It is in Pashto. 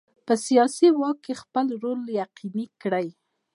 په سیاسي واک کې خپل رول یقیني کړي.